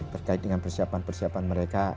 terkait dengan persiapan persiapan mereka